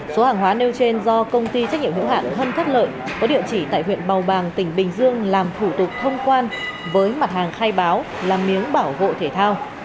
số hàng hóa nêu trên do công ty trách nhiệm hữu hạn hân thất lợi có địa chỉ tại huyện bào bàng tỉnh bình dương làm thủ tục thông quan với mặt hàng khai báo làm miếng bảo hộ thể thao